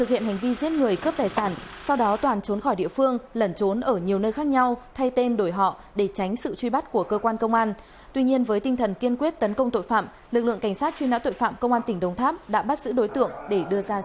hãy đăng ký kênh để ủng hộ kênh của chúng mình nhé